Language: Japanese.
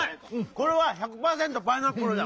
これは１００パーセント「パイナップル」だ！